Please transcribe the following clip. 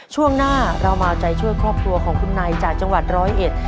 ช่วงหน้าเรามาเอาใจช่วยครอบครัวของคุณนายจากจังหวัดร้อยเอ็ด